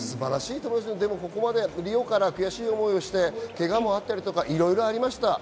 ここまでリオから悔しい思いをして、けがもあったりいろいろありました。